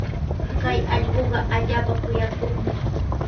Kay allquuqa allaapa kuyakuqmi.